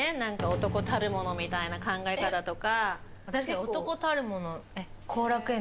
男たるものみたいな考え方とか。